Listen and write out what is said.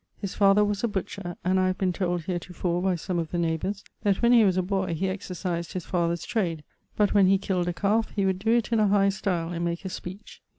His father was a butcher, and I have been told heretofore by some of the neighbours, that when he was a boy he exercised his father's trade, but when he kill'd a calfe he would doe it in a high style, and make a speech.